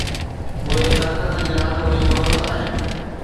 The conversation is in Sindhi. اهي طاقت جي راند ۾ ملوث آهن.